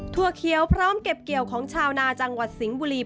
เขียวพร้อมเก็บเกี่ยวของชาวนาจังหวัดสิงห์บุรี